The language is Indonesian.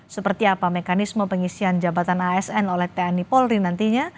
seperti apa mekanisme pengisian jabatan asn oleh tni polri nantinya